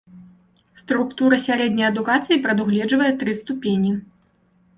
Структура сярэдняй адукацыі прадугледжвае тры ступені.